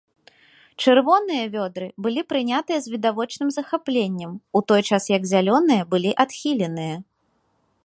Чырвоныя вёдры былі прынятыя з відавочным захапленнем, у той час як зялёныя былі адхіленыя.